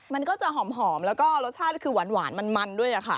มันก็จะหอมแล้วก็รสชาติคือหวานมันด้วยค่ะ